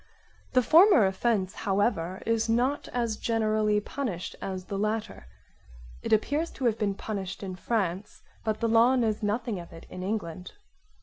The former offence however is not as generally punished as the latter. It appears to have been punished in France but the law knows nothing of it in England.